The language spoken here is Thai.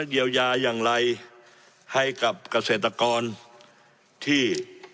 เยียวยาอย่างไรให้กับเกษตรกรที่